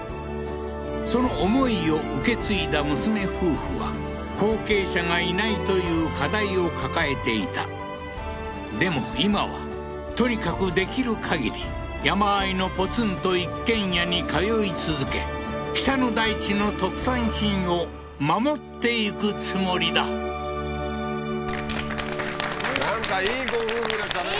その思いを受け継いだ娘夫婦は後継者がいないという課題を抱えていたでも今はとにかくできるかぎり山あいのポツンと一軒家に通い続け北の大地の特産品を守っていくつもりだなんかいいご夫婦でしたね